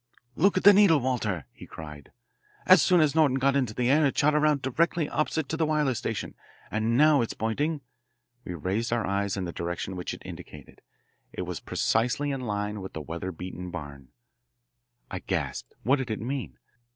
"Look at the needle, Walter!" he cried. "As soon as Norton got into the air it shot around directly opposite to the wireless station, and now it is pointing " We raised our eyes in the direction which it indicated. It was precisely in line with the weather beaten barn. I gasped. What did it mean?